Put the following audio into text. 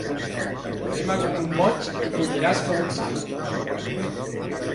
Fema com un boig i colliràs com un savi.